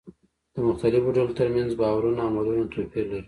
د مختلفو ډلو ترمنځ باورونه او عملونه توپير لري.